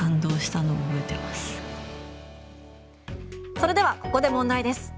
それではここで問題です。